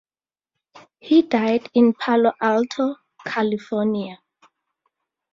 He died in Palo Alto, California.